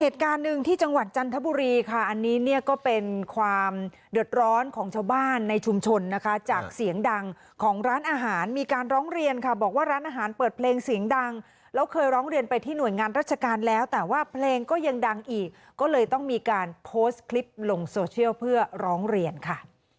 เหตุการณ์หนึ่งที่จังหวัดจันทบุรีค่ะอันนี้เนี่ยก็เป็นความเดือดร้อนของชาวบ้านในชุมชนนะคะจากเสียงดังของร้านอาหารมีการร้องเรียนค่ะบอกว่าร้านอาหารเปิดเพลงเสียงดังแล้วเคยร้องเรียนไปที่หน่วยงานราชการแล้วแต่ว่าเพลงก็ยังดังอีกก็เลยต้องมีการโพสต์คลิปลงโซเชียลเพื่อร้องเรียนค่ะ